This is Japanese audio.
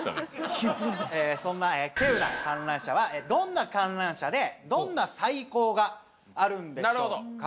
・きう・そんな稀有な観覧車はどんな観覧車でどんな最高があるんでしょうか。